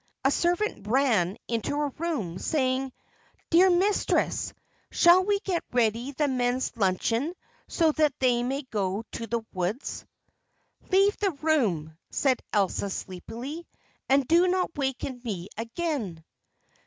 A servant ran into her room, saying: "Dear mistress, shall we get ready the men's luncheon so that they may go to the woods?" "Leave the room," said Elsa sleepily, "and do not waken me again!"